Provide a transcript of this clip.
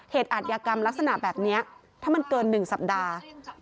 อาทยากรรมลักษณะแบบนี้ถ้ามันเกิน๑สัปดาห์